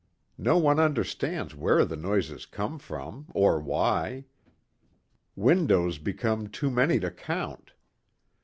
No one understands where the noises come from or why. Windows become too many to count.